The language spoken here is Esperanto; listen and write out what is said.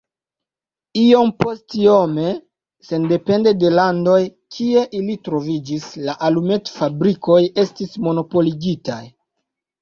Iompostiome, sendepende de la landoj, kie ili troviĝis, la alumetfabrikoj estis monopoligitaj.